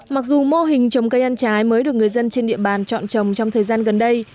mặc dù mô hình trồng cây ăn trái mới được người dân trên địa bàn chọn trồng trong thời gian gần đây